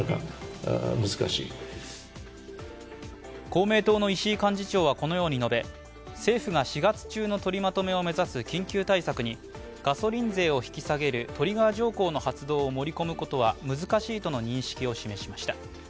公明党の石井幹事長はこのように述べ政府が４月中の取りまとめを目指す緊急対策にガソリン税を引き下げるトリガー条項の発動を盛り込むことは難しいとの認識を示しました。